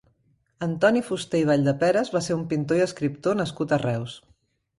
Antoni Fuster i Valldeperes va ser un pintor i escriptor nascut a Reus.